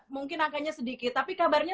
mungkin angkanya sedikit tapi kabarnya